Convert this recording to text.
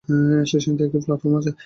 স্টেশনটিতে একটি প্ল্যাটফর্ম আছে।